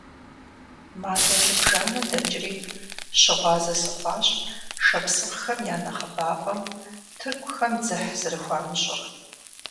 Мазэ зыбжанэ дэкӀри, щыгъуазэ сыхъуащ шапсыгъхэм я нэхъыбапӀэм тыркухэм дзыхь зэрыхуамыщӀыр.